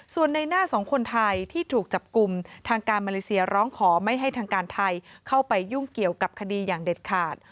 ส่วนในหน้าสองคนไทยที่ถูกจับกลุ่มทางการมาเลเซียร้องขอไม่ให้ทางการไทยเข้าไปยุ่งเกี่ยวกับคดีอย่างเด็ดขาด